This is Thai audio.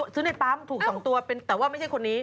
ซื้อในปั๊มถูก๒ตัวเป็นแต่ว่าไม่ใช่คนนี้